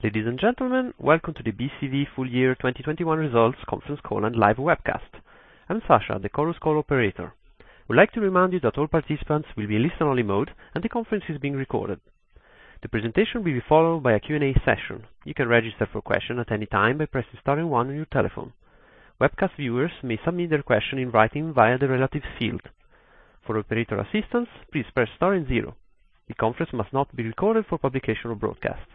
Ladies and gentlemen, welcome to the BCV full year 2021 results conference call and live webcast. I'm Sasha, the Chorus Call operator. I would like to remind you that all participants will be in listen-only mode and the conference is being recorded. The presentation will be followed by a Q&A session. You can register for questions at any time by pressing star and one on your telephone. Webcast viewers may submit their questions in writing via the relevant field. For operator assistance, please press star and zero. The conference must not be recorded for publication or broadcast.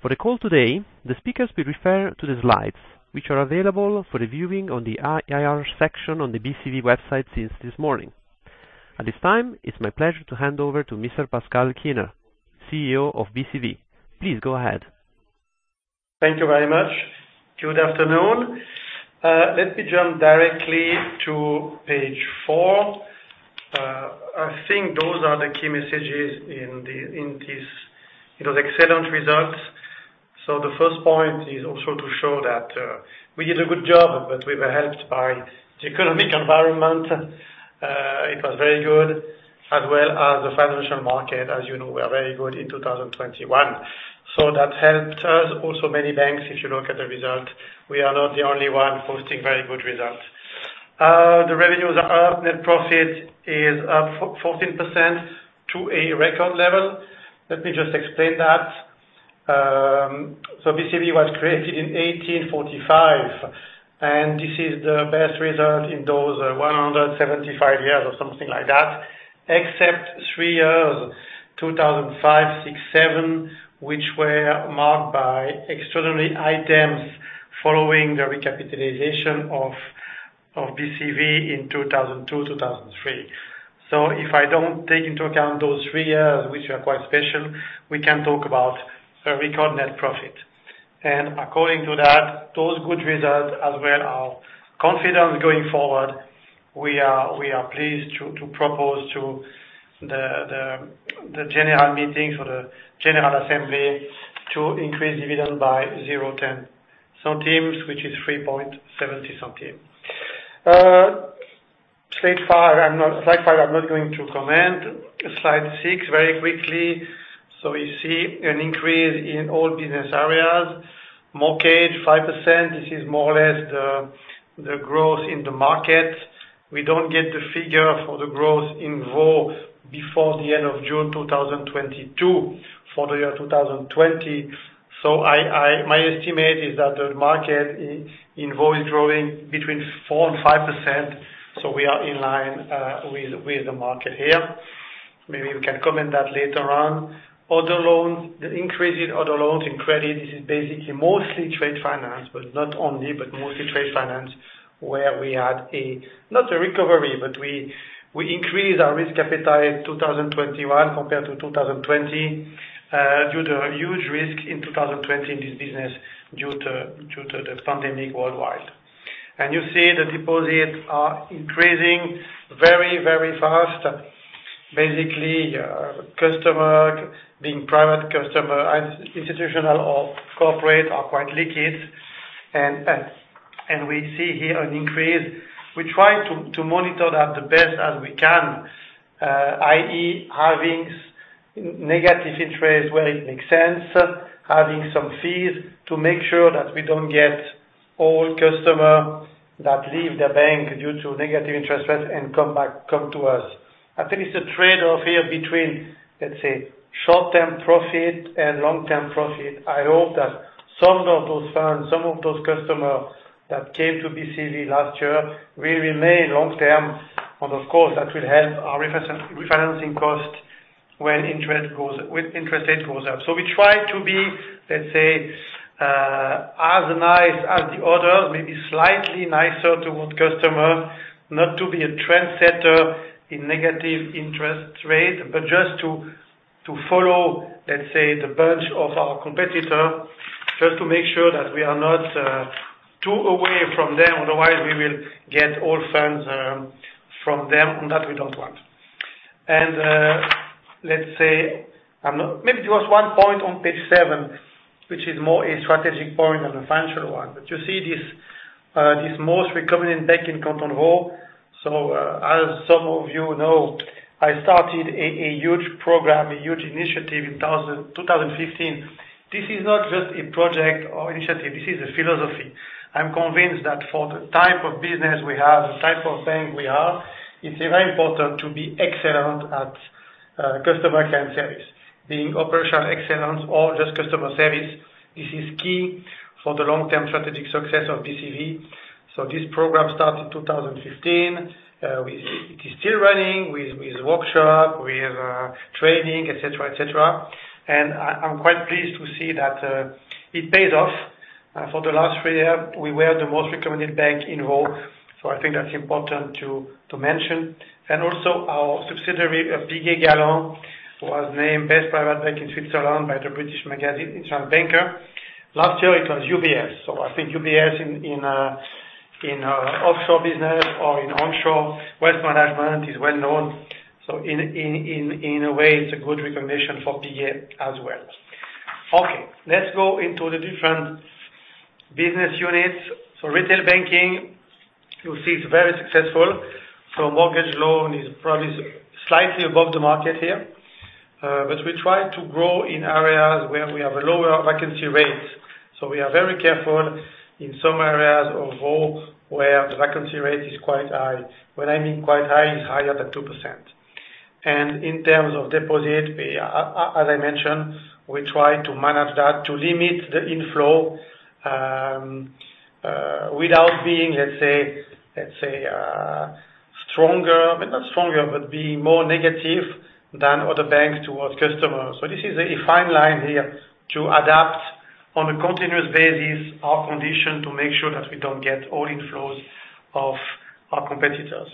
For the call today, the speakers will refer to the slides, which are available for reviewing on the IR section on the BCV website since this morning. At this time, it's my pleasure to hand over to Mr. Pascal Kiener, CEO of BCV. Please go ahead. Thank you very much. Good afternoon. Let me jump directly to page 4. I think those are the key messages in this, you know, excellent results. The first point is also to show that we did a good job, but we were helped by the economic environment. It was very good, as well as the financial market, as you know, were very good in 2021. That helped us. Also many banks, if you look at the result, we are not the only one posting very good results. The revenues are up. Net profit is up 14% to a record level. Let me just explain that. BCV was created in 1845, and this is the best result in those 175 years or something like that, except three years, 2005, 2006, 2007, which were marked by extraordinary items following the recapitalization of BCV in 2002, 2003. If I don't take into account those three years, which are quite special, we can talk about a record net profit. According to that, we are confident going forward. We are pleased to propose to the general meeting, the general assembly, to increase dividend by 0.10 centimes, which is 3.70 centimes. Slide five, I'm not going to comment. Slide 6, very quickly. We see an increase in all business areas. Mortgage 5%. This is more or less the growth in the market. We don't get the figure for the growth in Vaud before the end of June 2022 for the year 2020. My estimate is that the market in Vaud is growing between 4% and 5%. We are in line with the market here. Maybe we can comment that later on. Other loans. The increase in other loans and credit is basically mostly trade finance, but not only, but mostly trade finance, where we had not a recovery, but we increased our risk appetite 2021 compared to 2020 due to a huge risk in 2020 in this business due to the pandemic worldwide. You see the deposits are increasing very, very fast. Basically, customer, being private customer, institutional or corporate are quite liquid. We see here an increase. We try to monitor that the best as we can. i.e., having negative interest where it makes sense, having some fees to make sure that we don't get all customer that leave the bank due to negative interest rates and come back to us. I think it's a trade-off here between, let's say, short-term profit and long-term profit. I hope that some of those funds, some of those customers that came to BCV last year will remain long-term. Of course, that will help our refinancing cost when interest rate goes up. We try to be, let's say, as nice as the other, maybe slightly nicer toward customer, not to be a trendsetter in negative interest rate, but just to follow, let's say, the bunch of our competitor, just to make sure that we are not too far away from them. Otherwise, we will get all funds from them, and that we don't want. Maybe there was one point on page seven, which is more a strategic point than a financial one. You see this most recommended bank in Canton Vaud. As some of you know, I started a huge program, a huge initiative in 2015. This is not just a project or initiative. This is a philosophy. I'm convinced that for the type of business we have, the type of bank we have, it's very important to be excellent at customer care and service. Being operational excellence or just customer service, this is key for the long-term strategic success of BCV. This program started 2015. It is still running. We have workshop, we have training, et cetera. I'm quite pleased to see that it pays off. For the last three years, we were the most recommended bank in Vaud. I think that's important to mention. Also our subsidiary of Piguet Galland was named Best Private Bank in Switzerland by the British magazine, International Banker. Last year, it was UBS. I think UBS in offshore business or in onshore, wealth management is well-known. In a way, it's a good recognition for PIE as well. Let's go into the different business units for retail banking, you'll see it's very successful. Mortgage loan is probably slightly above the market here. But we try to grow in areas where we have a lower vacancy rates. We are very careful in some areas overall where the vacancy rate is quite high. When I mean quite high, it's higher than 2%. In terms of deposit, as I mentioned, we try to manage that to limit the inflow, without being, let's say, stronger. Maybe not stronger, but being more negative than other banks towards customers. This is a fine line here to adapt on a continuous basis our condition to make sure that we don't get all inflows of our competitors.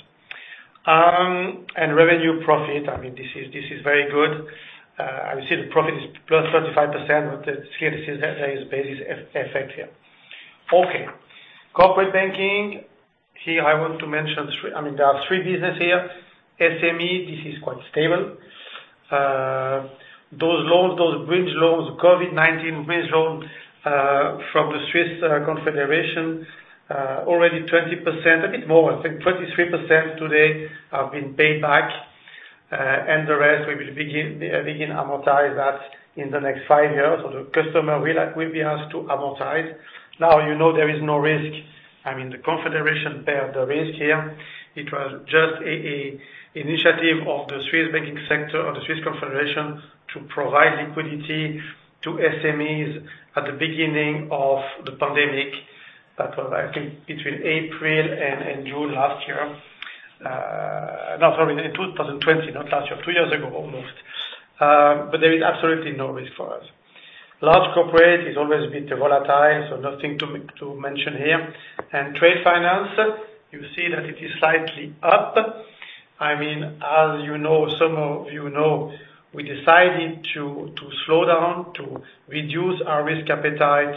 Revenue profit, I mean, this is very good. I will say the profit is +35%, but here this is, there is basis effect here. Okay. Corporate banking. Here, I want to mention three. I mean, there are three business here. SME, this is quite stable. Those loans, those bridge loans, COVID-19 bridge loans, from the Swiss Confederation, already 20%, a bit more, I think 23% today have been paid back. And the rest we will begin amortize that in the next five years. So the customer will be asked to amortize. Now, you know there is no risk. I mean, the Confederation bear the risk here. It was just an initiative of the Swiss banking sector or the Swiss Confederation to provide liquidity to SMEs at the beginning of the pandemic. That was, I think, between April and June last year. No, sorry, in 2020, not last year. Two years ago, almost. But there is absolutely no risk for us. Large corporate is always a bit volatile, so nothing to mention here. Trade finance, you see that it is slightly up. I mean, as you know, some of you know, we decided to slow down, to reduce our risk appetite,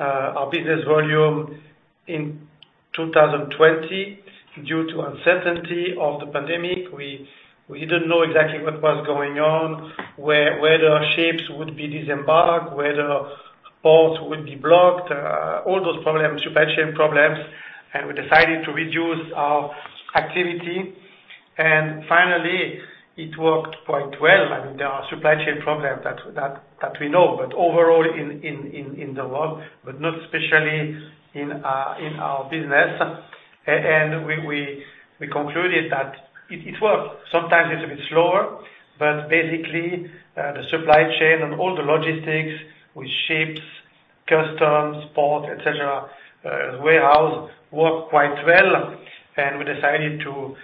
our business volume in 2020 due to uncertainty of the pandemic. We didn't know exactly what was going on, whether ships would be disembarked, whether ports would be blocked. All those problems, supply chain problems. We decided to reduce our activity. Finally, it worked quite well. I mean, there are supply chain problems that we know, but overall in the world, but not especially in our business. We concluded that it worked. Sometimes it's a bit slower, but basically, the supply chain and all the logistics with ships, customs, port, et cetera, warehouse worked quite well, and we decided to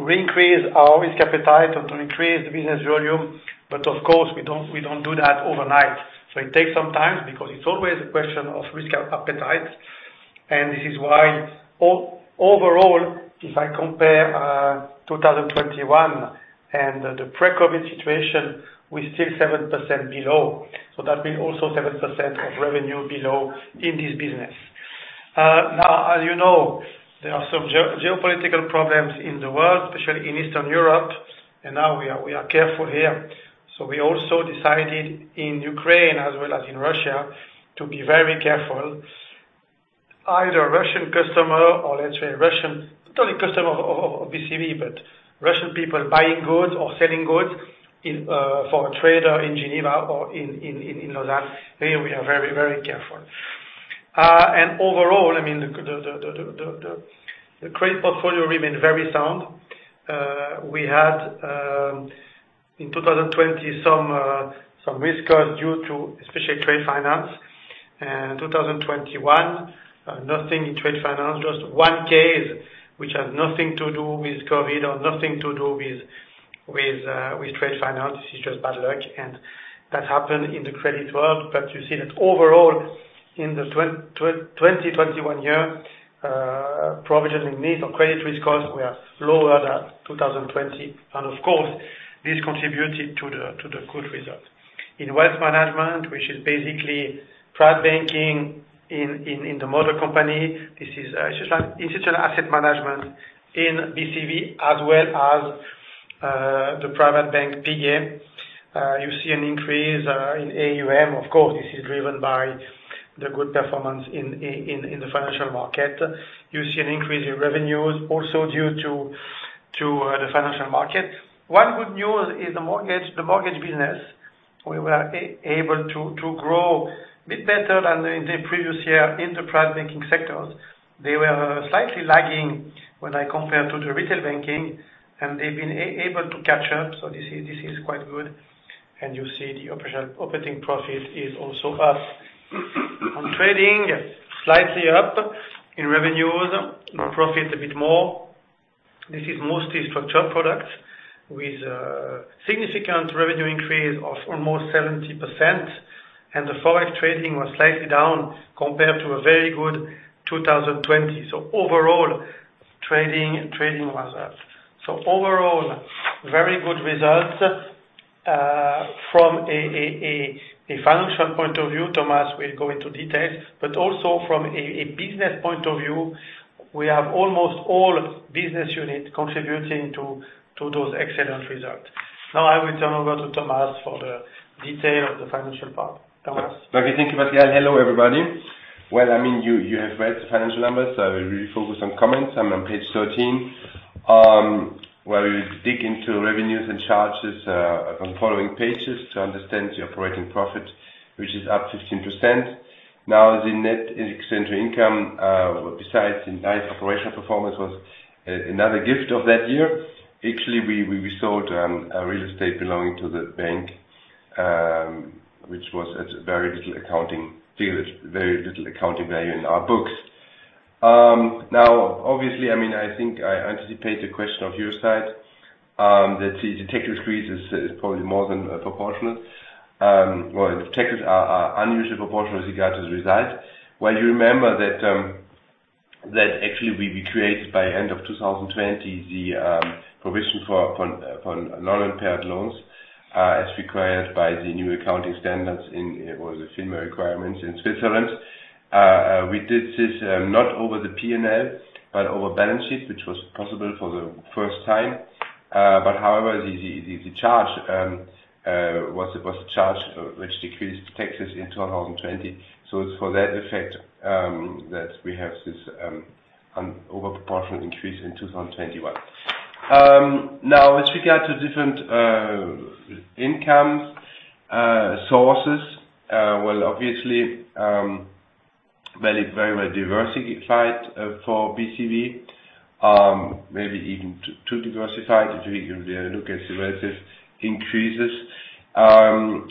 increase our risk appetite and to increase the business volume. Of course, we don't do that overnight. It takes some time because it's always a question of risk appetite. This is why overall, if I compare 2021 and the pre-COVID situation, we're still 7% below. That means also 7% of revenue below in this business. Now, as you know, there are some geopolitical problems in the world, especially in Eastern Europe, and now we are careful here. We also decided in Ukraine as well as in Russia to be very careful. Either Russian customer or let's say Russian not a customer of BCV, but Russian people buying goods or selling goods in for a trader in Geneva or in Lausanne. Here we are very careful. Overall, I mean, the credit portfolio remained very sound. We had in 2020 some risk costs due to especially trade finance. In 2021 nothing in trade finance, just one case which has nothing to do with COVID or nothing to do with trade finance. It's just bad luck. That happened in the credit world. You see that overall in the 2021 year, provisions needed for credit risk costs were lower than 2020. Of course, this contributed to the good result. In wealth management, which is basically private banking in the mother company. This is, it's just an asset management in BCV as well as the private bank, BG. You see an increase in AUM. Of course, this is driven by the good performance in the financial market. You see an increase in revenues also due to the financial market. One good news is the mortgage business, we were able to grow a bit better than in the previous year in the private banking sectors. They were slightly lagging when I compare to the retail banking, and they've been able to catch up. This is quite good. You see the operating profit is also up. On trading, slightly up in revenues. In profit, a bit more. This is mostly structured products with significant revenue increase of almost 70%. The Forex trading was slightly down compared to a very good 2020. Overall, trading was up. Overall, very good results from a financial point of view. Thomas will go into details. Also from a business point of view, we have almost all business unit contributing to those excellent results. Now I will turn over to Thomas for the detail of the financial part. Thomas. Okay. Thank you, Pascal. Hello, everybody. I mean, you have read the financial numbers, so I will really focus on comments. I'm on page 13, where we dig into revenues and charges on following pages to understand the operating profit, which is up 15%. Now, the net extraordinary income, besides the nice operational performance, was another gift of that year. Actually, we sold a real estate belonging to the bank, which was at very little accounting value in our books. Now, obviously, I think I anticipate the question from your side, that the tax increase is probably more than proportional. Well, taxes are unusually proportional with regard to the results. While you remember that actually we created by end of 2020 the provision for non-impaired loans as required by the new accounting standards in or the FINMA requirements in Switzerland. We did this not over the P&L but over balance sheet which was possible for the first time. But however the charge was a charge which decreased taxes in 2020. It's for that effect that we have this over-proportional increase in 2021. Now as regard to different income sources well obviously very well diversified for BCV. Maybe even too diversified if you look at the relative increases. Well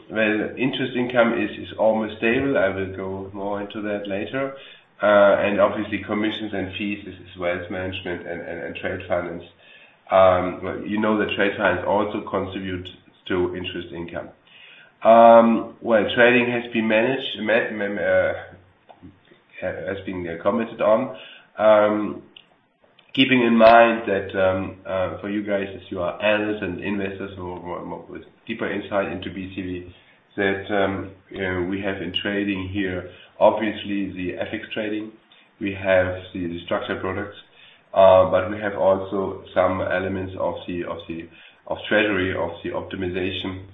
interest income is almost stable. I will go more into that later. Obviously commissions and fees. This is wealth management and trade finance. You know that trade finance also contributes to interest income. Trading has been commented on. Keeping in mind that for you guys, as you are analysts and investors who with deeper insight into BCV, that we have in trading here, obviously the FX trading, we have the structured products, but we have also some elements of the treasury, of the optimization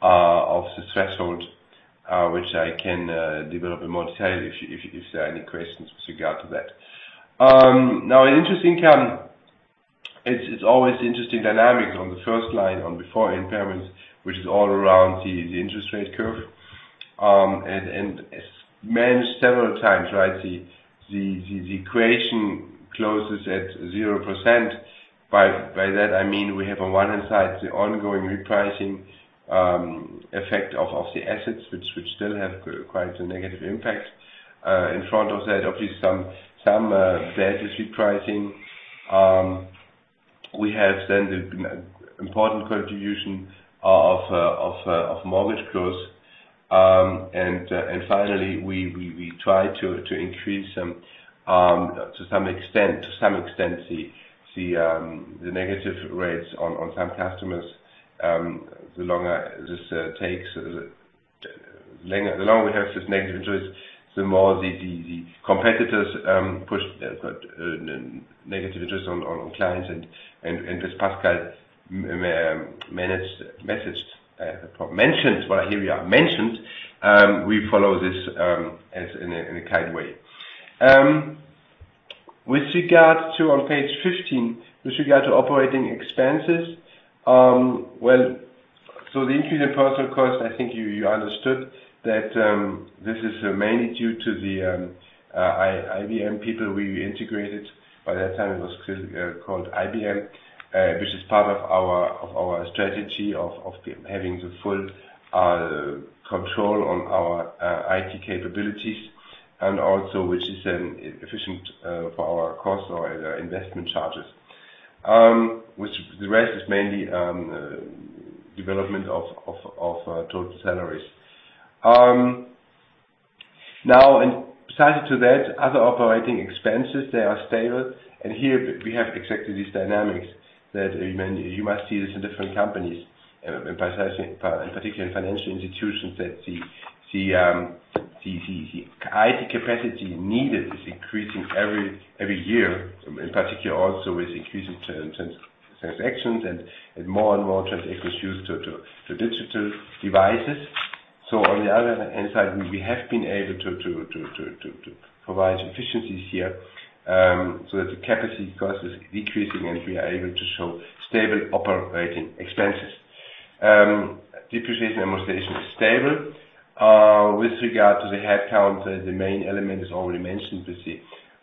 of the threshold, which I can develop in more detail if there are any questions with regard to that. Now interest income, it's always interesting dynamics on the first line before impairments, which is all around the interest rate curve, and mentioned several times, right? The corridor closes at 0%. By that I mean we have on one hand the ongoing repricing effect of the assets which still have quite a negative impact. In front of that, obviously some legacy pricing. We have then the important contribution of mortgage growth. Finally, we try to increase to some extent the negative rates on some customers, the longer this takes. The longer we have this negative interest, the more the competitors push negative interest on clients. As Pascal mentioned, we follow this in a kind way. With regard to page 15, with regard to operating expenses, well, the increase in personnel cost, I think you understood that, this is mainly due to the IBM people we integrated. By that time it was still called IBM, which is part of our strategy of having the full control on our IT capabilities, and also which is an efficient for our cost or investment charges. Which the rest is mainly development of total salaries. Now in addition to that, other operating expenses, they are stable. Here we have exactly these dynamics that you must see this in different companies, precisely in particular in financial institutions, that the IT capacity needed is increasing every year, in particular also with increasing transactions and more and more transactions due to digital devices. We have been able to provide efficiencies here, so that the capacity cost is decreasing and we are able to show stable operating expenses. Depreciation amortization is stable. With regard to the headcount, the main element is already mentioned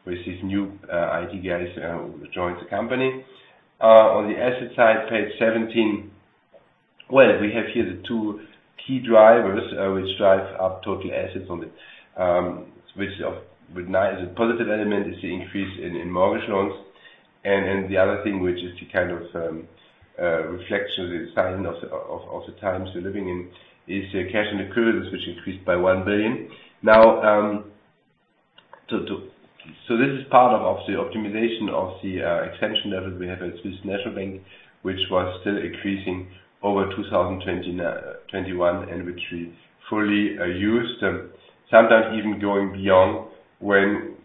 with these new IT guys who joined the company. On the asset side, page 17. Well, we have here the two key drivers which drive up total assets on the one hand, which now is a positive element is the increase in mortgage loans. The other thing, which is the kind of reflection, the sign of the times we're living in, is the cash and equivalents, which increased by 1 billion. Now, this is part of the optimization of the exemption level we have at Swiss National Bank, which was still increasing over 2021, and which we fully used, sometimes even going beyond when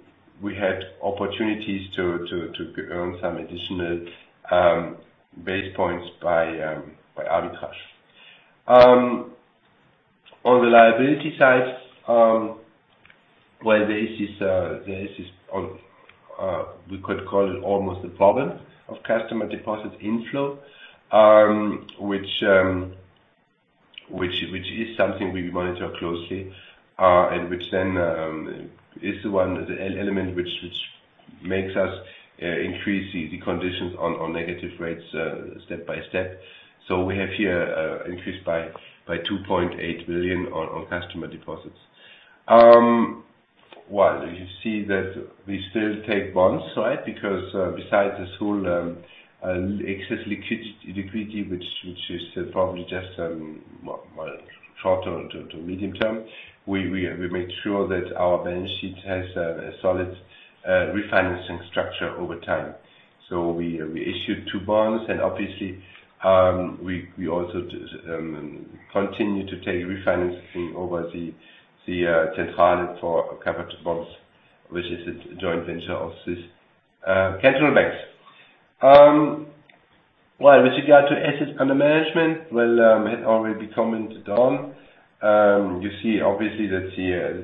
we had opportunities to earn some additional basis points by arbitrage. On the liability side, this is almost a problem of customer deposit inflow. Which is something we monitor closely, and which then is the element which makes us increase the conditions on negative rates step by step. We have here increase by 2.8 billion on customer deposits. Well you see that we still take bonds, right? Because besides this whole excess liquidity which is probably just short-term to medium-term, we make sure that our balance sheet has a solid refinancing structure over time. We issued two bonds and obviously we also continue to take refinancing over the Pfandbriefzentrale for covered bonds, which is a joint venture of this cantonal banks. Well, with regard to assets under management, well, it had already been commented on. You see obviously that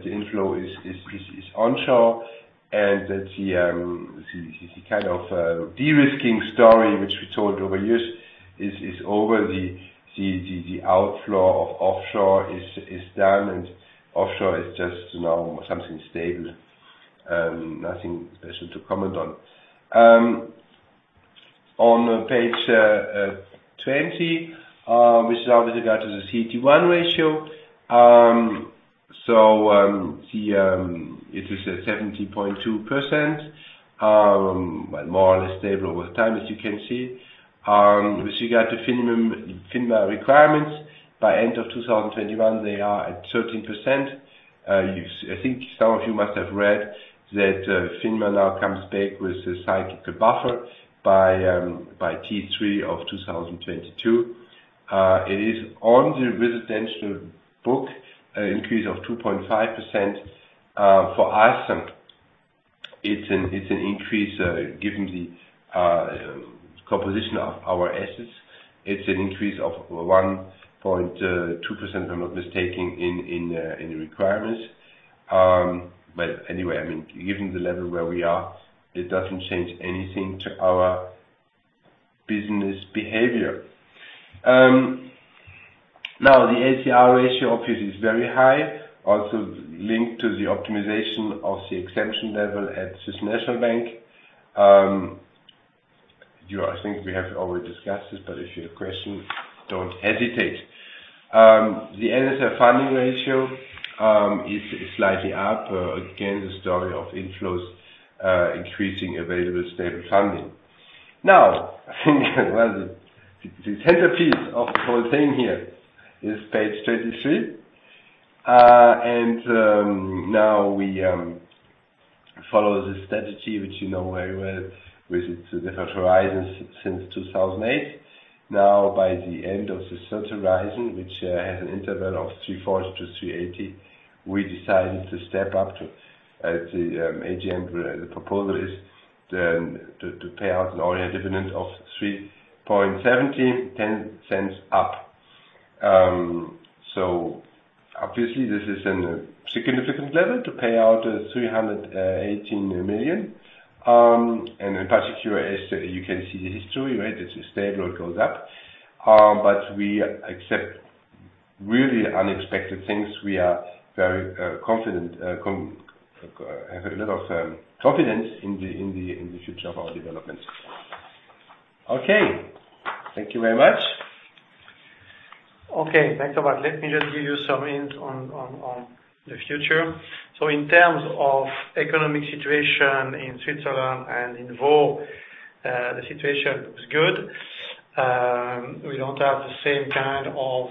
the inflow is onshore, and that the kind of de-risking story which we told over years is over. See the outflow of offshore is done, and offshore is just now something stable. Nothing special to comment on. On page 20, which is with regard to the CET1 ratio. So, it is at 70.2%, but more or less stable over time, as you can see. With regard to minimum FINMA requirements, by end of 2021, they are at 13%. I think some of you must have read that, FINMA now comes back with a cyclical buffer by Q3 of 2022. It is on the residential book, increase of 2.5%. For us, it's an increase, given the composition of our assets. It's an increase of 1.2%, if I'm not mistaken, in the requirements. Anyway, I mean, given the level where we are, it doesn't change anything to our business behavior. Now the LCR ratio obviously is very high, also linked to the optimization of the exemption level at Swiss National Bank. Yeah, I think we have already discussed this, but if you have questions, don't hesitate. The NSFR funding ratio is slightly up. Again, the story of inflows, increasing available stable funding. Now, the centerpiece of the whole thing here is page 23. Now we follow the strategy which you know very well with the different horizons since 2008. Now, by the end of this third horizon, which has an interval of 340-380, we decided to step up to the AGM. The proposal is then to pay out an ordinary dividend of 3.17 and CHF0.10 up. Obviously this is a significant level to pay out 318 million. In particular, as you can see the history, right, it's stable, it goes up. We expect really unexpected things. Have a lot of confidence in the future of our developments. Okay. Thank you very much. Okay. Thanks a lot. Let me just give you some hints on the future. In terms of economic situation in Switzerland and in Vaud, the situation looks good. We don't have the same kind of,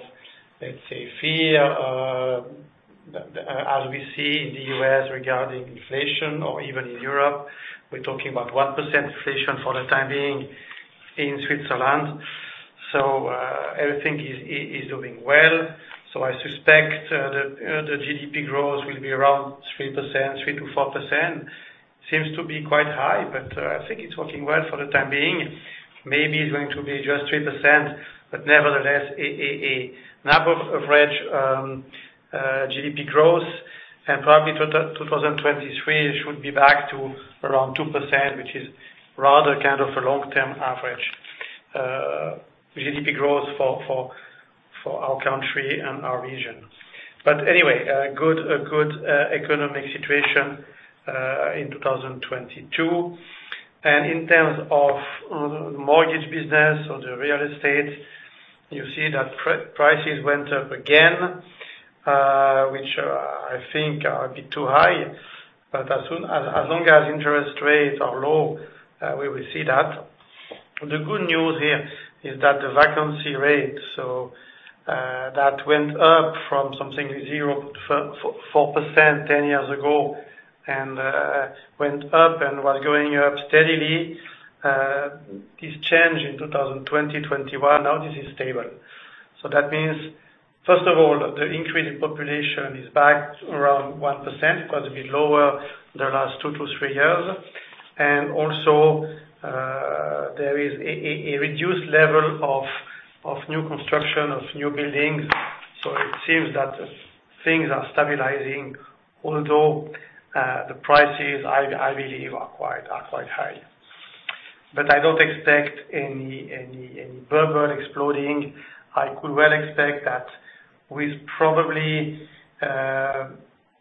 let's say, fear that we see in the U.S. regarding inflation or even in Europe. We're talking about 1% inflation for the time being in Switzerland. Everything is doing well. I suspect the GDP growth will be around 3%, 3%-4%. Seems to be quite high, but I think it's working well for the time being. Maybe it's going to be just 3%, but nevertheless a number of average GDP growth and probably 2023 should be back to around 2%, which is rather kind of a long-term average GDP growth for our country and our region. Anyway, a good economic situation in 2022. In terms of the mortgage business or the real estate, you see that prices went up again, which I think are a bit too high. As long as interest rates are low, we will see that. The good news here is that the vacancy rate so that went up from something 0.4% 10 years ago, and went up and was going up steadily. This change in 2020, 2021, now this is stable. That means, first of all, the increase in population is back around 1%, because it's been lower the last two to three years. Also, there is a reduced level of new construction, of new buildings. It seems that things are stabilizing, although the prices, I believe are quite high. I don't expect any bubble exploding. I could well expect that with probably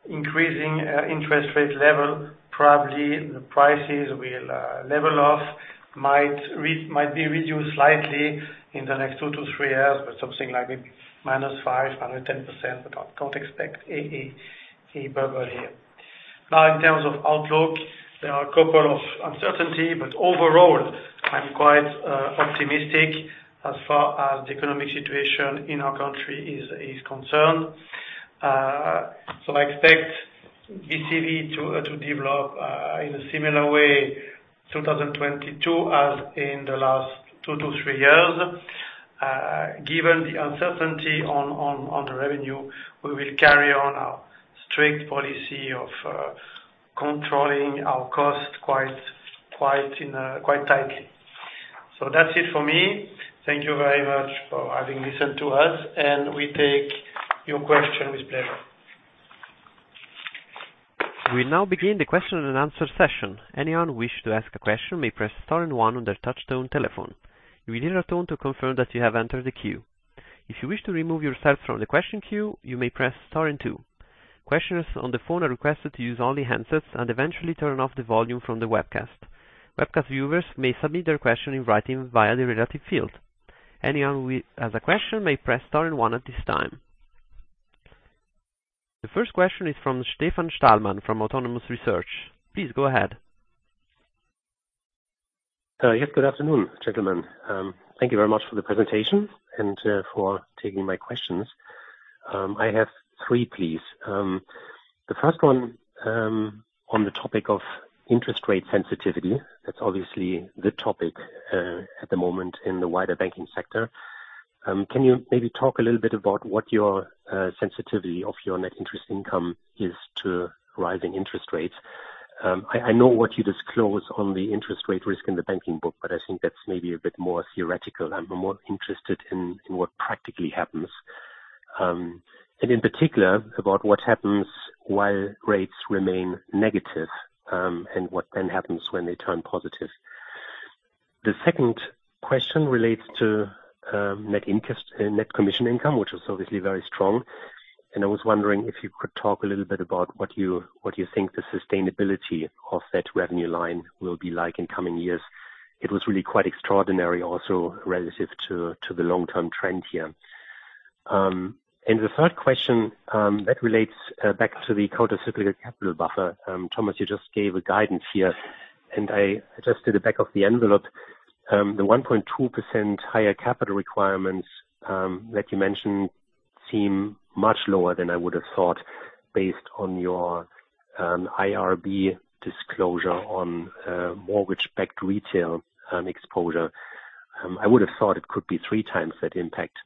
increasing interest rate level, probably the prices will level off, might be reduced slightly in the next two to three years but something like maybe minus 5%, minus 10%, but I don't expect a bubble here. Now, in terms of outlook, there are a couple of uncertainty, but overall, I'm quite optimistic as far as the economic situation in our country is concerned. I expect BCV to develop in a similar way, 2022, as in the last two to three years. Given the uncertainty on the revenue, we will carry on our strict policy of controlling our cost quite tightly. That's it for me. Thank you very much for having listened to us, and we take your question with pleasure. We now begin the question and answer session. Anyone who wish to ask a question may press star and one on their touchtone telephone. You will hear a tone to confirm that you have entered the queue. If you wish to remove yourself from the question queue, you may press star and two. Questioners on the phone are requested to use only handsets and eventually turn off the volume from the webcast. Webcast viewers may submit their question in writing via the relevant field. Anyone who has a question may press star and one at this time. The first question is from Stefan Stalmann from Autonomous Research. Please go ahead. Yes. Good afternoon, gentlemen. Thank you very much for the presentation and for taking my questions. I have three, please. The first one, on the topic of interest rate sensitivity, that's obviously the topic at the moment in the wider banking sector. Can you maybe talk a little bit about what your sensitivity of your net interest income is to rising interest rates? I know what you disclose on the interest rate risk in the banking book, but I think that's maybe a bit more theoretical. I'm more interested in what practically happens, and in particular about what happens while rates remain negative, and what then happens when they turn positive. The second question relates to net commission income, which was obviously very strong. I was wondering if you could talk a little bit about what you think the sustainability of that revenue line will be like in coming years. It was really quite extraordinary also relative to the long-term trend here. The third question that relates back to the countercyclical capital buffer. Thomas, you just gave a guidance here, and I just did the back-of-the-envelope. The 1.2% higher capital requirements that you mentioned seem much lower than I would have thought based on your IRB disclosure on mortgage-backed retail exposure. I would have thought it could be three times that impact.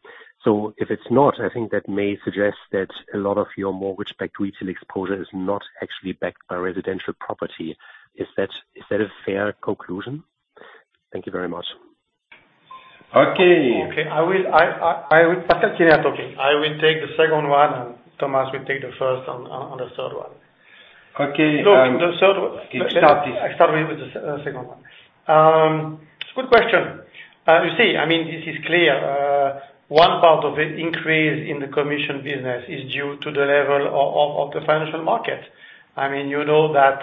So if it's not, I think that may suggest that a lot of your mortgage-backed retail exposure is not actually backed by residential property. Is that a fair conclusion? Thank you very much. Pascal, can I talk? I will take the second one, and Thomas will take the first one and the third one. Okay, no, the third one. I start with the second one. It's a good question. You see, I mean, this is clear. One part of the increase in the commission business is due to the level of the financial market. I mean, you know that,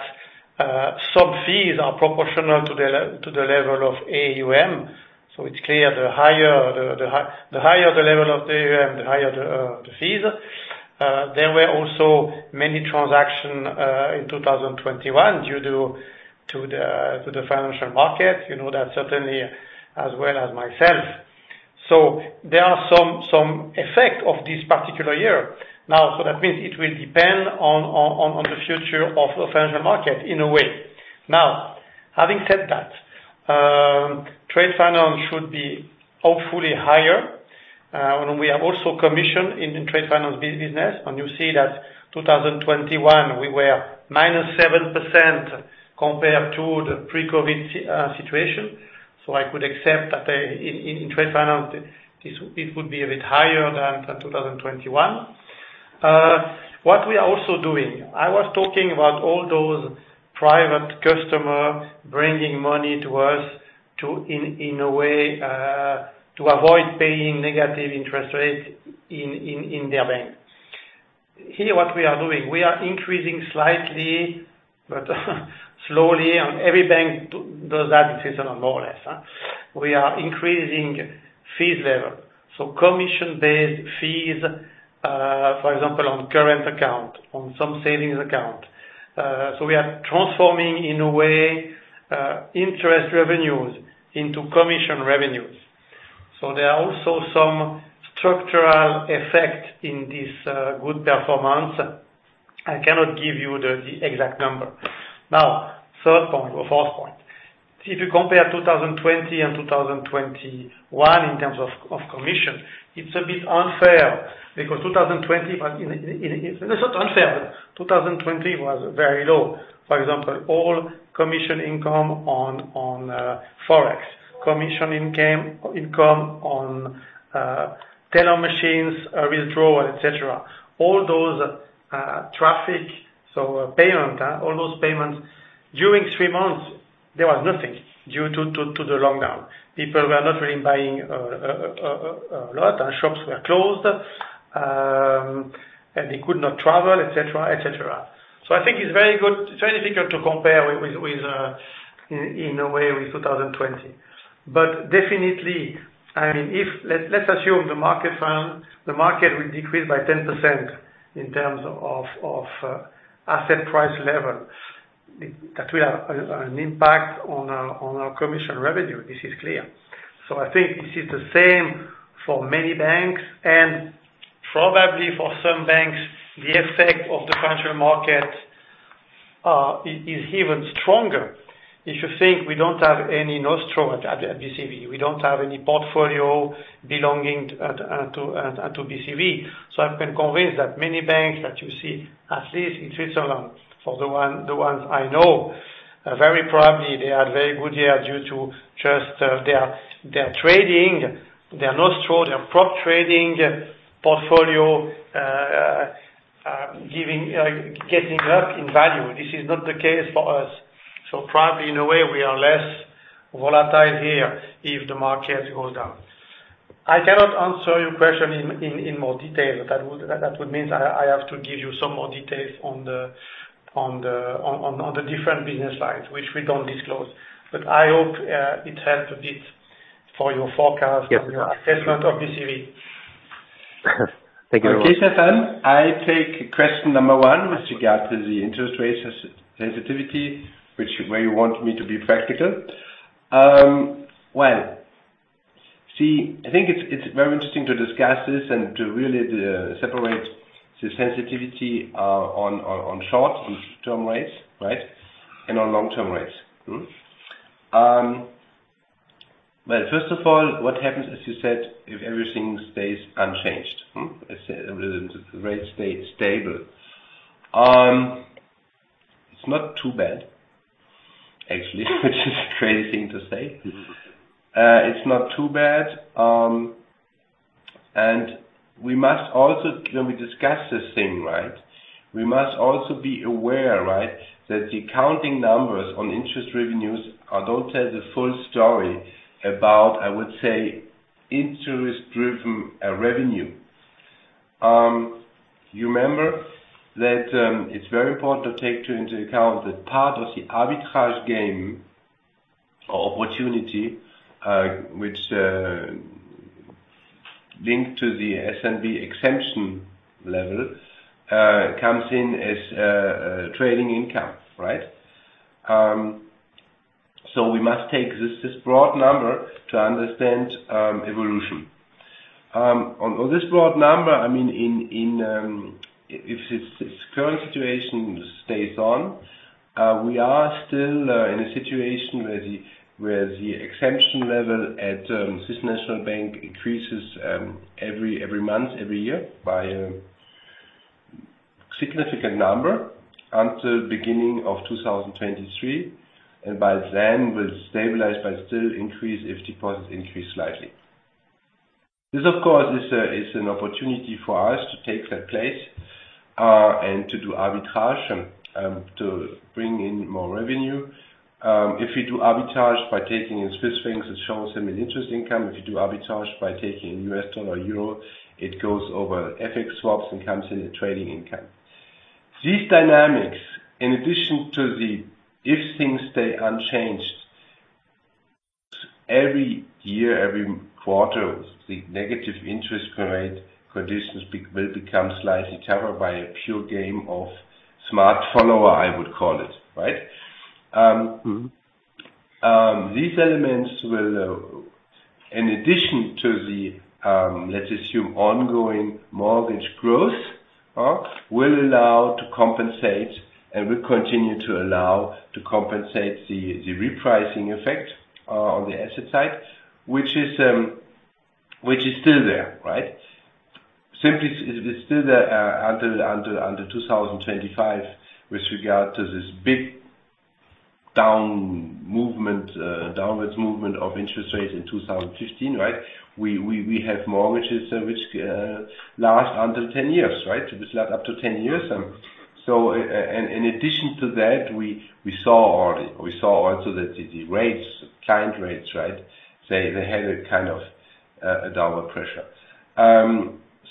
some fees are proportional to the level of AUM. So it's clear the higher the level of the AUM, the higher the fees. There were also many transactions in 2021 due to the financial market. You know that certainly as well as myself. There are some effect of this particular year. That means it will depend on the future of the financial market in a way. Having said that, trade finance should be hopefully higher. And we have also commission in the trade finance business. You see that 2021, we were -7% compared to the pre-COVID situation. I could accept that in trade finance, it would be a bit higher than the 2021. What we are also doing, I was talking about all those private customer bringing money to us in a way to avoid paying negative interest rates in their bank. Here, what we are doing, we are increasing slightly but slowly, and every bank does that more or less. We are increasing fees level, so commission-based fees, for example, on current account, on some savings account. We are transforming, in a way, interest revenues into commission revenues. There are also some structural effect in this good performance. I cannot give you the exact number. Now, third point or fourth point. If you compare 2020 and 2021 in terms of commission, it's a bit unfair because 2020 was very low. It's not unfair. 2020 was very low. For example, all commission income on Forex, commission income on teller machines, withdrawal, et cetera, all those traffic, payments, all those payments during three months, there was nothing due to the lockdown. People were not really buying a lot, and shops were closed, and they could not travel, et cetera, et cetera. I think it's very good. It's very difficult to compare with in a way with 2020. Definitely, I mean, if let's assume the market will decrease by 10% in terms of asset price level. That will have an impact on our commission revenue. This is clear. I think this is the same for many banks and probably for some banks, the effect of the financial market is even stronger. If you think we don't have any Nostro at BCV, we don't have any portfolio belonging to BCV. I've been convinced that many banks that you see, at least in Switzerland, for the ones I know, very probably they had very good year due to just their trading, their Nostro, their prop trading portfolio, getting up in value. This is not the case for us. Probably in a way, we are less volatile here if the market goes down. I cannot answer your question in more detail. That would mean I have to give you some more details on the different business lines, which we don't disclose. I hope it helped a bit for your forecast. Yes. your assessment of BCV. Thank you very much. Okay, Stefan, I take question number one with regard to the interest rates sensitivity, where you want me to be practical. Well, see, I think it's very interesting to discuss this and to really separate the sensitivity on short-term rates, right? And on long-term rates. Well, first of all, what happens, as you said, if everything stays unchanged? Let's say rates stay stable. It's not too bad, actually, which is a crazy thing to say. It's not too bad, and we must also, when we discuss this thing, right? We must also be aware, right, that the accounting numbers on interest revenues don't tell the full story about, I would say, interest-driven revenue. You remember that, it's very important to take into account that part of the arbitrage game or opportunity, which linked to the SNB exemption level, comes in as trading income, right? We must take this broad number to understand evolution. On this broad number, I mean, in if this current situation stays on, we are still in a situation where the exemption level at Swiss National Bank increases every month, every year by significant number until beginning of 2023. By then, it will stabilize but still increase if deposits increase slightly. This, of course, is an opportunity for us to take that place and to do arbitrage and to bring in more revenue. If you do arbitrage by taking in Swiss francs, it shows them an interest income. If you do arbitrage by taking U.S. dollar, euro, it goes over FX swaps and comes in trading income. These dynamics, in addition to if things stay unchanged, every year, every quarter, the negative interest rate conditions will become slightly covered by a pure game of smart follower, I would call it, right? Mm-hmm. These elements will, in addition to the, let's assume, ongoing mortgage growth, will allow to compensate and will continue to allow to compensate the repricing effect, on the asset side, which is still there, right? Simply, it's still there, until 2025, with regard to this big downward movement of interest rates in 2015, right? We have mortgages which last under 10 years, right? These last up to 10 years. So in addition to that, we saw also that the rates, client rates, right? They had a kind of a downward pressure.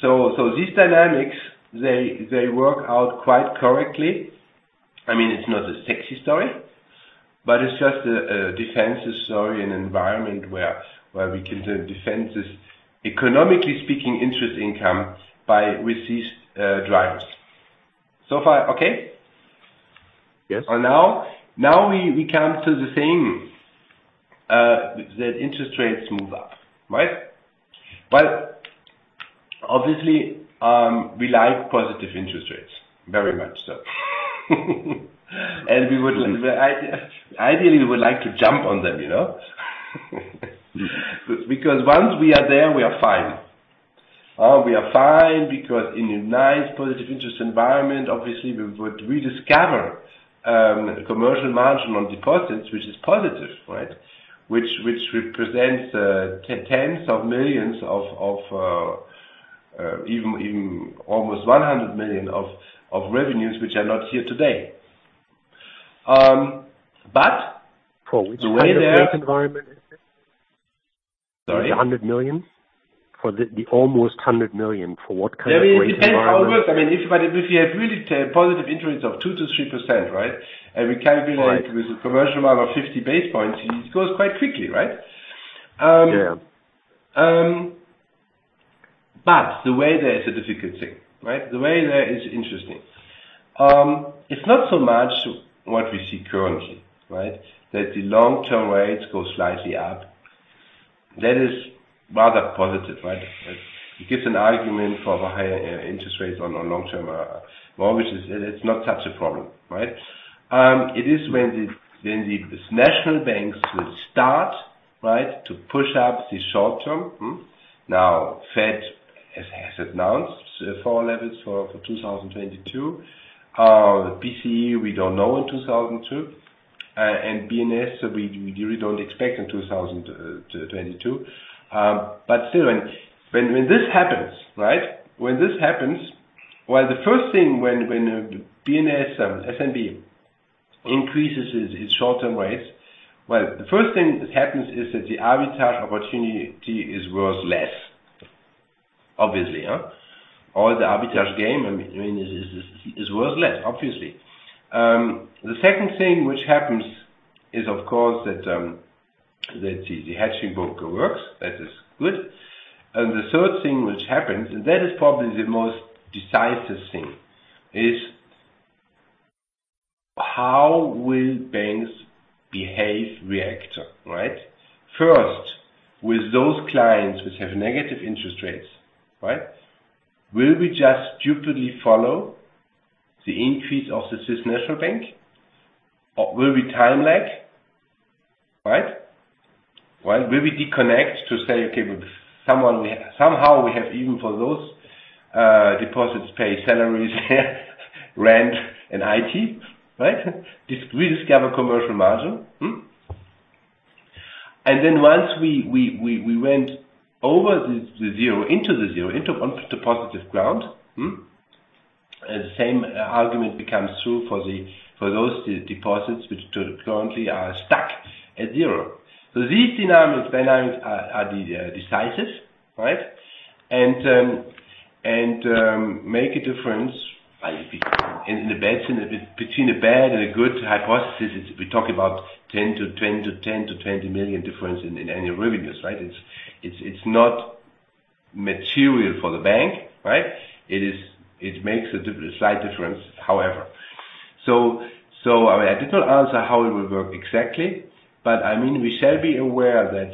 So these dynamics, they work out quite correctly. I mean, it's not a sexy story, but it's just a defensive story in an environment where we can defend this, economically speaking, interest income with these drivers. So far, okay? Yes. Now we come to the thing that interest rates move up, right? Obviously, we like positive interest rates very much so. Ideally we would like to jump on them, you know. Because once we are there, we are fine. We are fine because in a nice positive interest environment, obviously we would rediscover commercial margin on deposits, which is positive, right? Which represents CHF tens of millions of even almost 100 million of revenues which are not here today. But For which kind of rate environment is it? Sorry? The 100 million. For the almost 100 million, for what kind of rate environment? I mean, it depends how it works. I mean, if you have really positive interest of 2%-3%, right? We calculate- Right. With a commercial amount of 50 basis points, it goes quite quickly, right? Yeah. The way there is a difficult thing, right? The way there is interesting. It's not so much what we see currently, right? That the long-term rates go slightly up. That is rather positive, right? It gives an argument for higher interest rates on long-term mortgages. It's not such a problem, right? It is when the national banks will start, right, to push up the short-term. Now, Fed has announced four levels for 2022. The ECB, we don't know in 2022. BNS, we really don't expect in 2022. Still, when this happens, right? When this happens, well, the first thing when BNS SNB increases its short-term rates. Well, the first thing that happens is that the arbitrage opportunity is worth less, obviously. All the arbitrage game, I mean, is worth less, obviously. The second thing which happens is, of course, that the hedging book works. That is good. The third thing which happens, and that is probably the most decisive thing, is how will banks behave, react, right? First, with those clients which have negative interest rates, right? Will we just stupidly follow the increase of the Swiss National Bank, or will we time lag, right? Well, will we decouple to say, okay, somehow we have even for those deposits to pay salaries, rent, and IT, right? Rediscover commercial margin. Once we went over the zero into positive ground, the same argument becomes true for those deposits which currently are stuck at zero. So these dynamics are decisive, right? Make a difference between a bad and a good hypothesis is we talk about 10 million-20 million difference in annual revenues, right? It's not material for the bank, right? It makes a slight difference, however. So I mean, I did not answer how it will work exactly, but I mean, we shall be aware that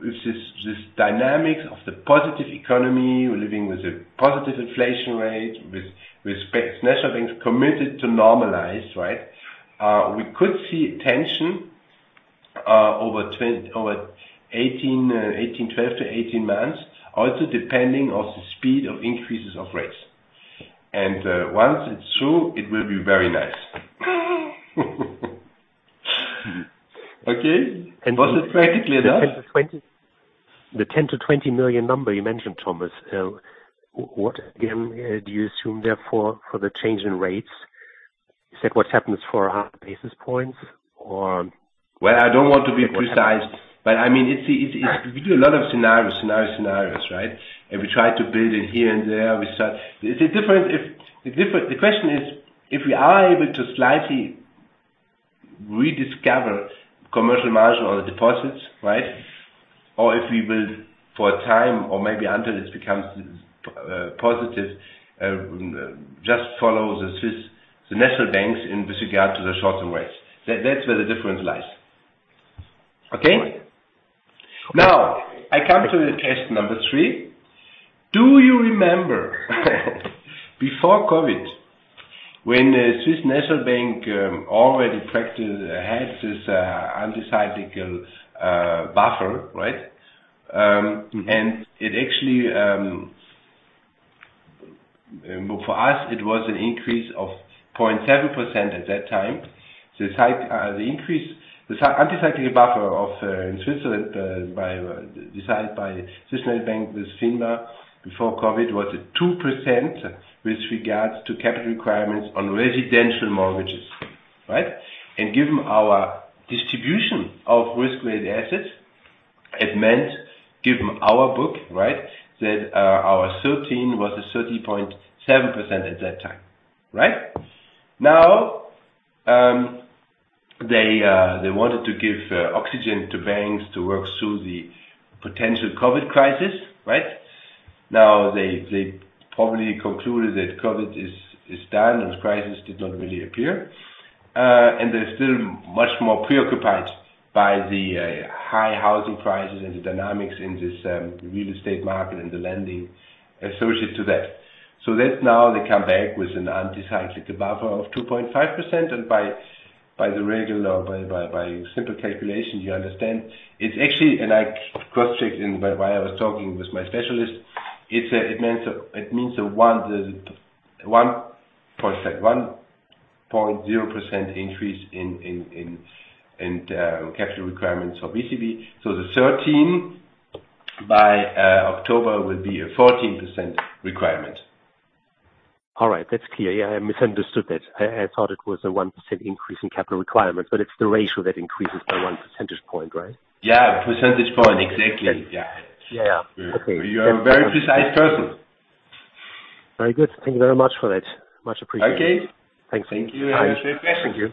this dynamics of the positive economy, we're living with a positive inflation rate, with Swiss National Bank committed to normalize, right? We could see tension over 18, 12-18 months, also depending on the speed of increases of rates. Once it's through, it will be very nice. Okay. Was it practically enough? The 10 million-20 million number you mentioned, Thomas, what, again, do you assume therefore for the change in rates? Is that what happens for a half basis points or Well, I don't want to be precise, but I mean, it's. We do a lot of scenarios, right? We try to build it here and there. The question is, if we are able to slightly rediscover commercial margin on the deposits, right? Or if we will, for a time, or maybe until this becomes positive, just follow the Swiss National Bank in regard to the short-term rates. That's where the difference lies. Okay? All right. Now, I come to the test number 3. Do you remember before COVID, when the Swiss National Bank already had this countercyclical buffer, right? Mm-hmm. It actually, well, for us, it was an increase of 0.7% at that time. The countercyclical buffer in Switzerland, decided by Swiss National Bank with FINMA before COVID was at 2% with regards to capital requirements on residential mortgages, right? Given our distribution of risk-weighted assets, it meant, given our book, right, that our 13 was a 13.7% at that time, right? They wanted to give oxygen to banks to work through the potential COVID crisis, right? Now they probably concluded that COVID is done. This crisis did not really appear. They're still much more preoccupied by the high housing prices and the dynamics in this real estate market and the lending associated to that. That now they come back with a countercyclical buffer of 2.5%, and by simple calculation, you understand it's actually. I crosschecked it by what I was talking with my specialist. It means a 1.0% increase in capital requirements for BCV. The 13% by October will be a 14% requirement. All right. That's clear. Yeah, I misunderstood that. I thought it was a 1% increase in capital requirements, but it's the ratio that increases by one percentage point, right? Yeah. Percentage point. Exactly. Yeah. Yeah. Okay. You are a very precise person. Very good. Thank you very much for that. Much appreciated. Okay. Thanks. Thank you. Have a great day. Thank you.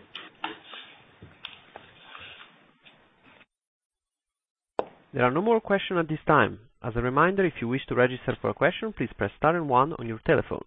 There are no more questions at this time. As a reminder, if you wish to register for a question, please press star and one on your telephone.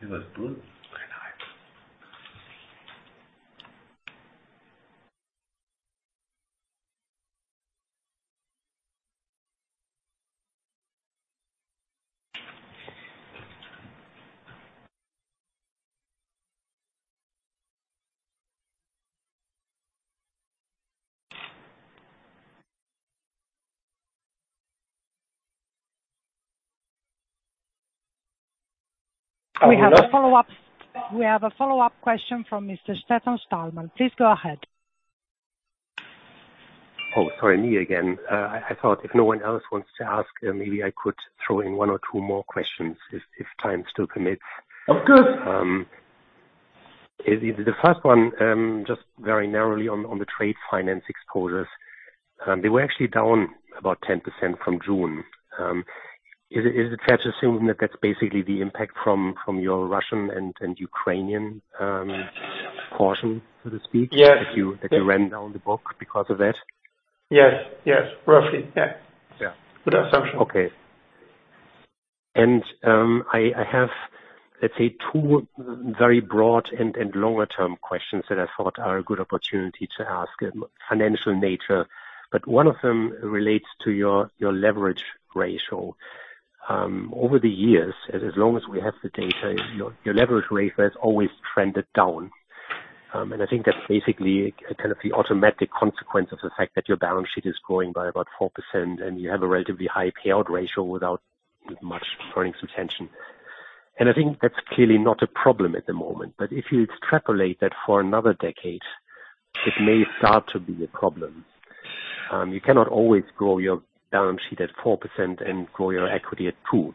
It was good. Very nice. We have a follow-up. We have a follow-up question from Mr. Stefan Stalmann. Please go ahead. Oh, sorry. Me again. I thought if no one else wants to ask, maybe I could throw in one or two more questions if time still permits. Of course. Is it the first one, just very narrowly on the trade finance exposures? Is it fair to assume that that's basically the impact from your Russian and Ukrainian portion, so to speak? Yes. That you ran down the book because of that? Yes. Roughly, yeah. Yeah. Good assumption. Okay. I have, let's say two very broad and longer-term questions that I thought are a good opportunity to ask, financial nature, but one of them relates to your leverage ratio. Over the years, as long as we have the data, your leverage ratio has always trended down. I think that's basically kind of the automatic consequence of the fact that your balance sheet is growing by about 4% and you have a relatively high payout ratio without much earnings retention. I think that's clearly not a problem at the moment. If you extrapolate that for another decade, it may start to be a problem. You cannot always grow your balance sheet at 4% and grow your equity at 2%.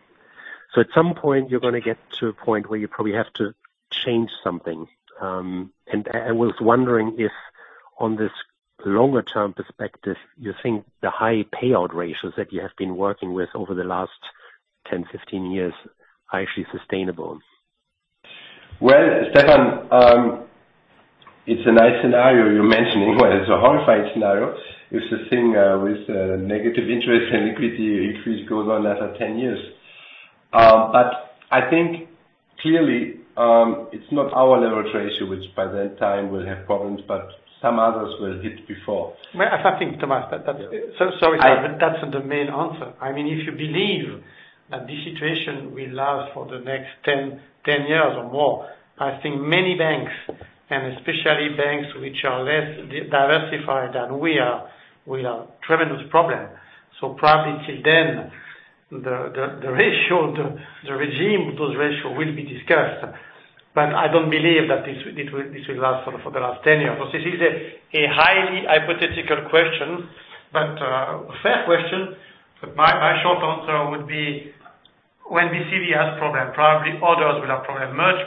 At some point, you're gonna get to a point where you probably have to change something. I was wondering if on this longer-term perspective, you think the high payout ratios that you have been working with over the last 10, 15 years are actually sustainable? Well, Stefan, it's a nice scenario you're mentioning, but it's a horrifying scenario. It's a thing with negative interest and equity increase goes on after 10 years. I think clearly, it's not our leverage ratio which by that time will have problems, but some others will hit before. Well, I think, Thomas, that. Sorry, Stefan. That's the main answer. I mean, if you believe that this situation will last for the next 10 years or more, I think many banks, and especially banks which are less diversified than we are, will have tremendous problem. Probably till then, the ratio, the regime of those ratio will be discussed. I don't believe that this will last for the last 10 years. This is a highly hypothetical question, but a fair question. My short answer would be when BCV has problem, probably others will have problem much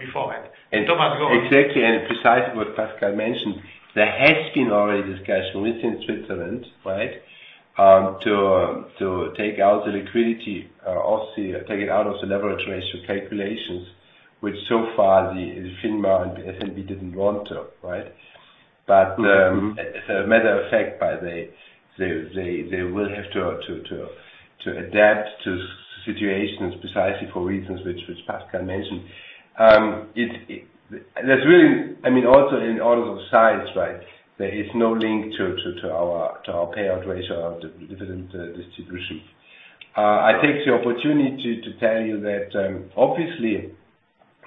beforehand. Thomas, go on. Exactly, and precisely what Pascal mentioned. There has been already discussion within Switzerland, right? To take out the liquidity, or take it out of the leverage ratio calculations, which so far the FINMA and the FMB didn't want to, right? As a matter of fact, by the way, they will have to adapt to situations precisely for reasons which Pascal mentioned. That's really. I mean, also in all of those slides, right? There is no link to our payout ratio or dividend distribution. I take the opportunity to tell you that, obviously.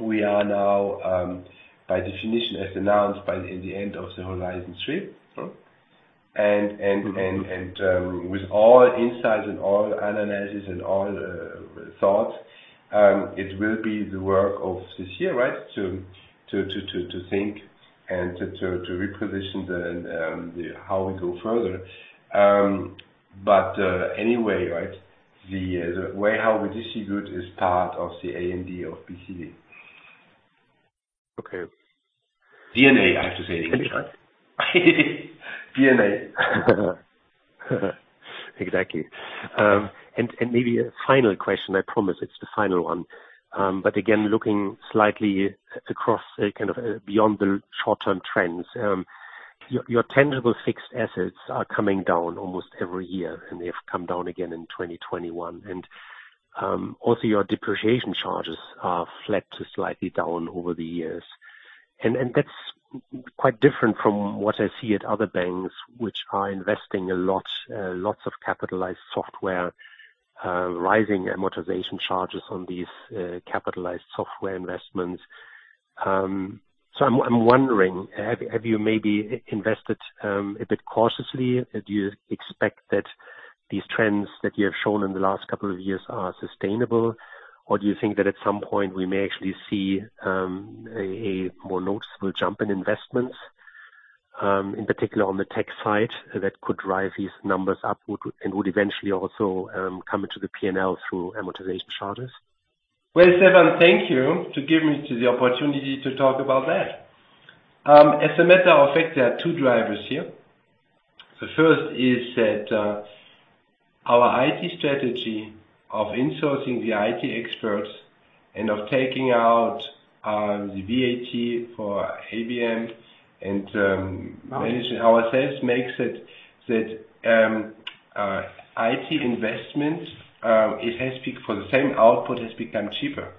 We are now, by definition, as announced by the end of the Horizon 3. Mm-hmm. with all insights and all analysis and all thoughts, it will be the work of this year, right? To think and to reposition how we go further. Anyway, right, the way how we distribute is part of the DNA of BCV. Okay. DNA, I have to say. DNA. Exactly. Maybe a final question. I promise it's the final one. Again, looking slightly across, kind of, beyond the short-term trends. Your tangible fixed assets are coming down almost every year, and they have come down again in 2021. Also, your depreciation charges are flat to slightly down over the years. That's quite different from what I see at other banks, which are investing a lot, lots of capitalized software, rising amortization charges on these capitalized software investments. I'm wondering, have you maybe invested a bit cautiously? Do you expect that these trends that you have shown in the last couple of years are sustainable? Do you think that at some point we may actually see a more noticeable jump in investments in particular on the tech side that could drive these numbers up and would eventually also come into the P&L through amortization charges? Well, Stefan, thank you for giving me the opportunity to talk about that. As a matter of fact, there are two drivers here. The first is that our IT strategy of insourcing the IT experts and of taking out the VAT for AHV and managing ourselves makes it that IT investments for the same output has become cheaper,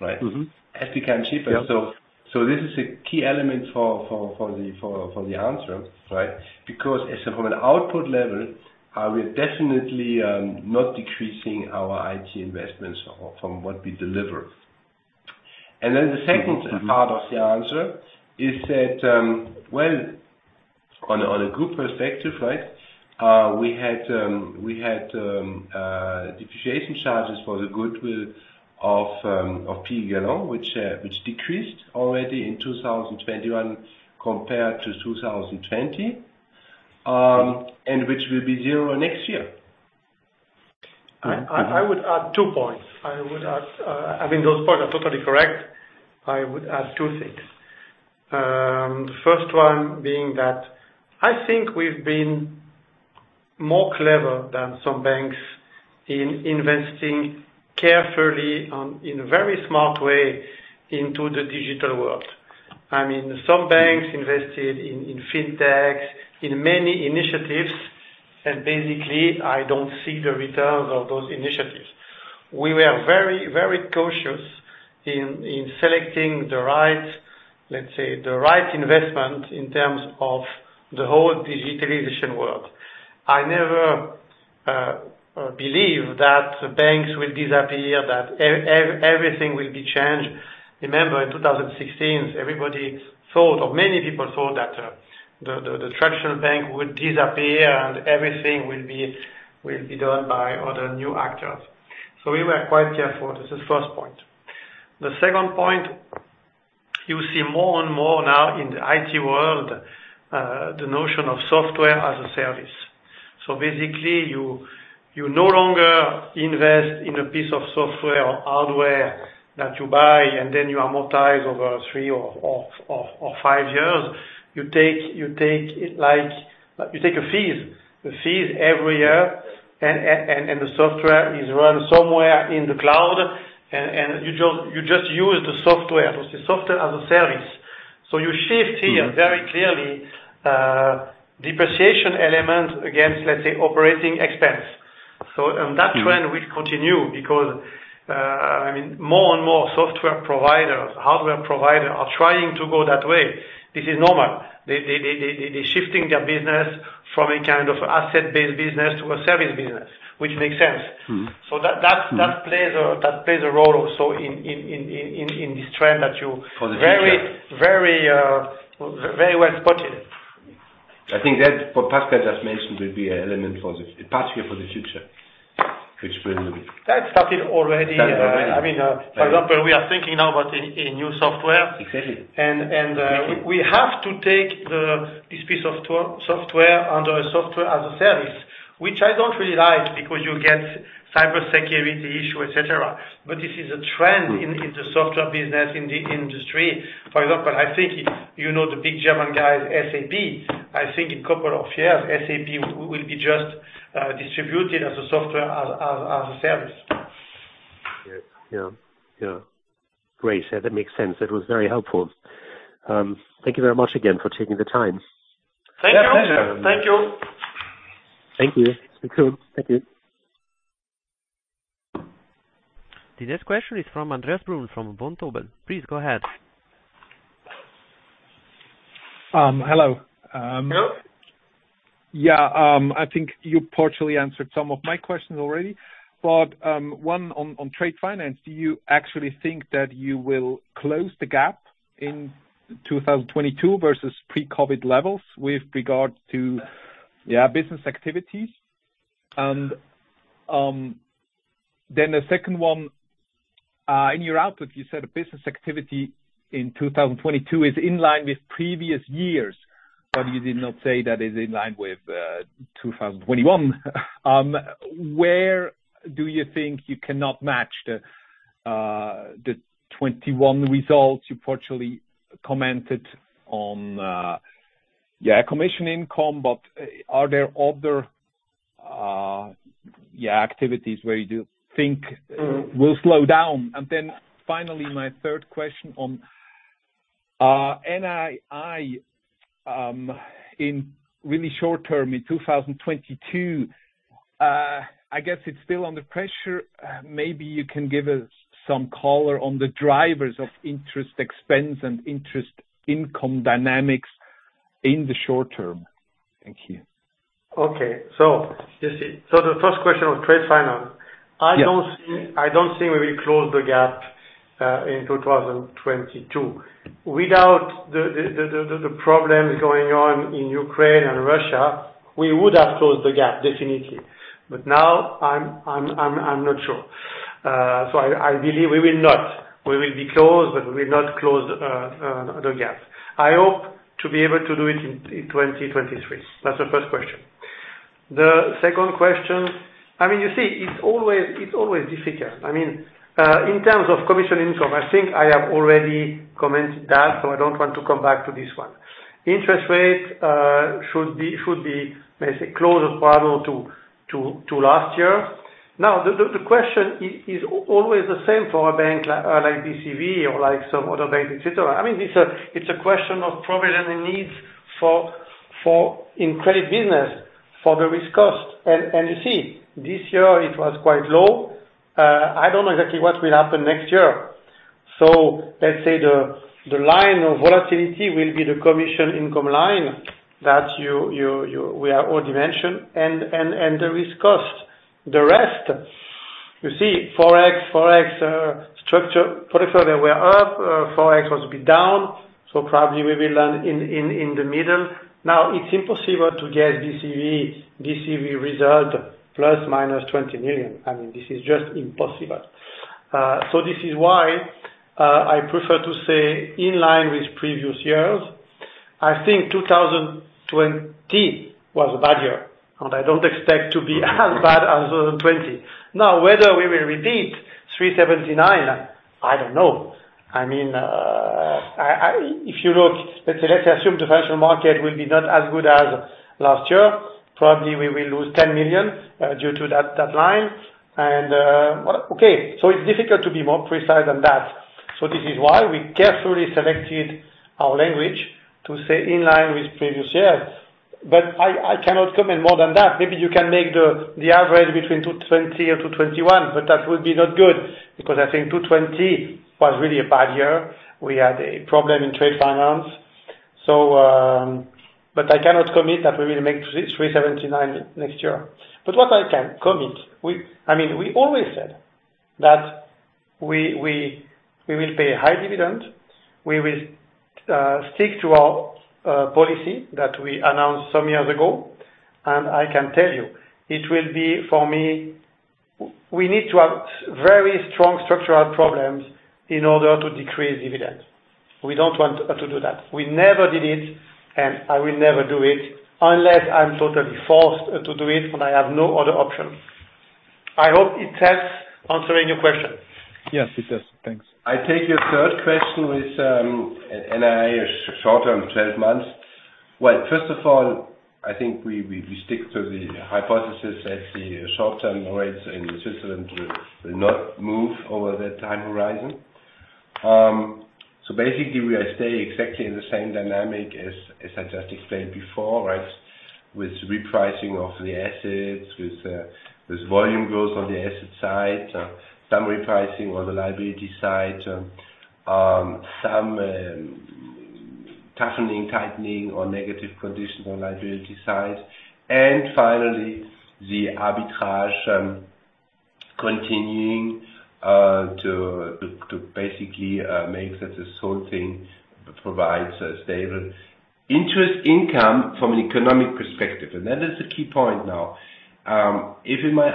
right? Mm-hmm. Has become cheaper. Yeah. This is a key element for the answer, right? Because as from an output level, we're definitely not decreasing our IT investments from what we deliver. Then the second- Mm-hmm. part of the answer is that, well, on a group perspective, right, we had depreciation charges for the goodwill of Piguet Galland, which decreased already in 2021 compared to 2020. Mm-hmm. which will be 0 next year. Mm-hmm. I would add two points. I mean, those points are totally correct. I would add two things. The first one being that I think we've been more clever than some banks in investing carefully, in a very smart way into the digital world. I mean, some banks invested in fintechs, in many initiatives, and basically, I don't see the returns of those initiatives. We were very cautious in selecting the right, let's say, the right investment in terms of the whole digitalization world. I never believe that banks will disappear, that everything will be changed. Remember, in 2016, everybody thought or many people thought that the traditional bank would disappear and everything will be done by other new actors. We were quite careful. This is first point. The second point, you see more and more now in the IT world, the notion of software as a service. Basically you no longer invest in a piece of software or hardware that you buy and then you amortize over three or five years. You take a fee every year and the software is run somewhere in the cloud and you just use the software. It's software as a service. You shift here. Mm-hmm. Very clearly, depreciation element against, let's say, operating expense. That trend will continue because, I mean, more and more software providers, hardware provider are trying to go that way. This is normal. They shifting their business from a kind of asset-based business to a service business, which makes sense. Mm-hmm. So that's- Mm-hmm. that plays a role also in this trend that you For the future. Very, very well spotted. I think that what Pascal just mentioned will be an element, particularly for the future to explore a little. That started already. Started already. I mean, for example, we are thinking now about a new software. Exactly. We have to take this piece of software under a software as a service, which I don't really like because you get cybersecurity issue, et cetera. This is a trend. Mm-hmm. in the software business, in the industry. For example, I think you know the big German guys, SAP. I think in couple of years, SAP will be just distributed as a software as a service. Yeah. Great. Yeah, that makes sense. That was very helpful. Thank you very much again for taking the time. Thank you. Thank you. Thank you. Thank you. The next question is from Andreas Brun from Vontobel. Please go ahead. Hello. Hello. I think you partially answered some of my questions already, but one on trade finance. Do you actually think that you will close the gap in 2022 versus pre-COVID levels with regard to business activity? The second one, in your output, you said business activity in 2022 is in line with previous years, but you did not say that is in line with 2021. Where do you think you cannot match the 2021 results? You partially commented on commission income, but are there other activities where you do think will slow down? My third question on NII in the really short term in 2022. I guess it's still under pressure. Maybe you can give us some color on the drivers of interest expense and interest income dynamics in the short term. Thank you. Okay. You see. The first question of trade finance. Yeah. I don't see. I don't think we will close the gap in 2022. Without the problem going on in Ukraine and Russia, we would have closed the gap, definitely. Now, I'm not sure. I believe we will not. We will be close, but we will not close the gap. I hope to be able to do it in 2023. That's the first question. The second question. I mean, you see, it's always difficult. I mean, in terms of commission income, I think I have already commented that, so I don't want to come back to this one. Interest rates should be, let's say, closer parallel to last year. Now, the question is always the same for a bank like BCV or like some other bank, et cetera. I mean, it's a question of provisioning needs for the credit business, for the risk cost. You see, this year it was quite low. I don't know exactly what will happen next year. Let's say the line of volatility will be the commission income line that we have all dimensions and the risk cost. The rest, you see Forex, structured products were up, Forex was a bit down, so probably we will land in the middle. Now it's impossible to get BCV result ± 20 million. I mean, this is just impossible. This is why I prefer to say in line with previous years. I think 2020 was a bad year, and I don't expect to be as bad as 2020. Now, whether we will repeat 379, I don't know. I mean, if you look, let's assume the financial market will be not as good as last year. Probably we will lose 10 million due to that line. Okay. It's difficult to be more precise than that. This is why we carefully selected our language to say in line with previous years. I cannot comment more than that. Maybe you can make the average between 220 million or 221 million, but that would be not good, because I think 2020 was really a bad year. We had a problem in trade finance. I cannot commit that we will make 379 next year. What I can commit, I mean, we always said that we will pay high dividend, we will stick to our policy that we announced some years ago. I can tell you, it will be for me, we need to have very strong structural problems in order to decrease dividend. We don't want to do that. We never did it, and I will never do it unless I'm totally forced to do it when I have no other option. I hope it helps answering your question. Yes, it does. Thanks. I take your third question with NII short-term 12 months. Well, first of all, I think we stick to the hypothesis that the short-term rates in Switzerland will not move over the time horizon. So basically, we are staying exactly the same dynamic as I just explained before, right? With repricing of the assets, with volume growth on the asset side, some repricing on the liability side, some tightening on negative conditions on liability side. Finally, the arbitrage continuing to basically make that this whole thing provides a stable interest income from an economic perspective. That is the key point now. If in my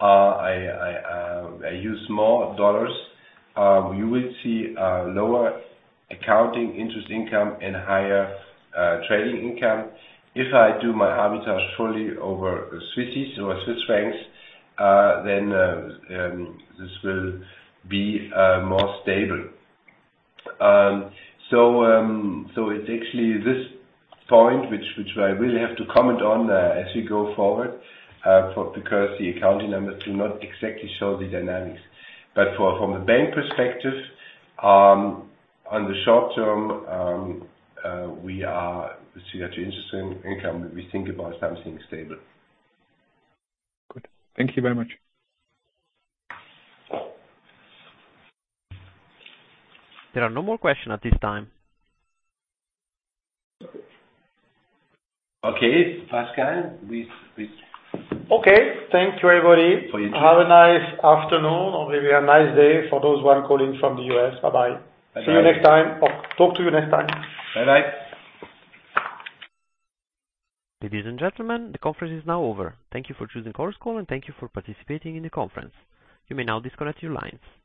arbitrage I use more dollars, you will see lower accounting interest income and higher trading income. If I do my arbitrage fully over swaps or Swiss francs, then this will be more stable. It's actually this point which I will have to comment on as we go forward because the accounting numbers do not exactly show the dynamics. From a bank perspective, on the short-term, you have the interest income. We think about something stable. Good. Thank you very much. There are no more questions at this time. Okay. Pascal, we've Okay. Thank you, everybody. Thank you. Have a nice afternoon or maybe a nice day for those who are calling from the U.S. Bye-bye. Bye-bye. See you next time or talk to you next time. Bye-bye. Ladies and gentlemen, the conference is now over. Thank you for choosing Chorus Call, and thank you for participating in the conference. You may now disconnect your lines.